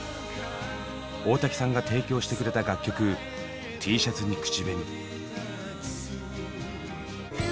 大滝さんが提供してくれた楽曲「Ｔシャツに口紅」。